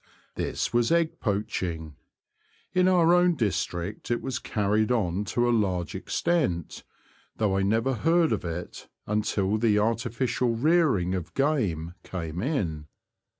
This was ^gg poaching. In our own district it was carried on to a large extent, though I never heard of it until the artificial rearing of game came in.